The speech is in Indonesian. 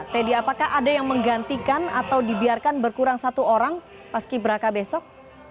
teddy apakah ada yang menggantikan atau dibiarkan berkurang satu orang paski beraka besok